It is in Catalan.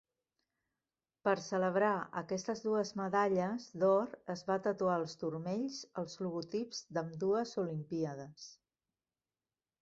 Per celebrar aquestes dues medalles d'or es va tatuar als turmells els logotips d'ambdues Olimpíades.